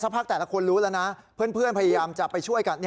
พักแต่ละคนรู้แล้วนะเพื่อนพยายามจะไปช่วยกัน